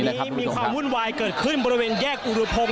มีความวุ่นวายเกิดขึ้นบริเวณแยกอุรพงศ